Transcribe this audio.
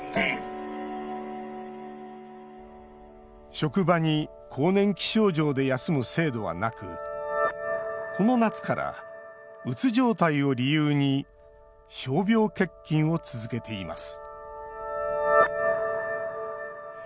職場に更年期症状で休む制度はなくこの夏から、うつ状態を理由に傷病欠勤を続けています